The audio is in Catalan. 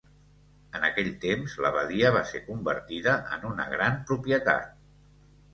En aquell temps, l'abadia va ser convertida en una gran propietat.